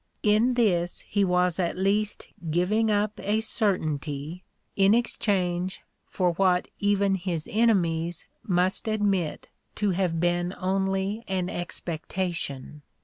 In this he was at least giving up a certainty in exchange for what even his enemies must admit to have been only an expectation.